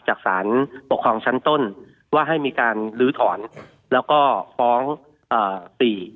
จากสารปกครองชั้นต้นว่าให้มีการลื้อถอนแล้วก็ฟ้องเอ่อสี่